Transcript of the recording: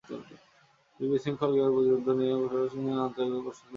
তিনি ‘বিশৃঙ্খল গেমের প্রতিনিধিত্ব’ নিয়ে পড়াশুনার জন্যও আন্তর্জাতিকভাবে প্রশংসিত হয়েছেন।